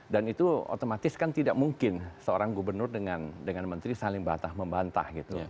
dan itu otomatis kan tidak mungkin seorang gubernur dengan menteri saling batah membantah gitu